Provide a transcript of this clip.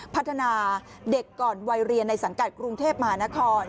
พัฒนาเด็กก่อนวัยเรียนในสังกัดกรุงเทพมหานคร